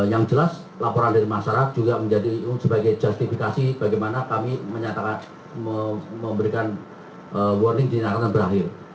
yang jelas laporan dari masyarakat juga menjadi itu sebagai justifikasi bagaimana kami menyatakan memberikan warning di daerah yang berakhir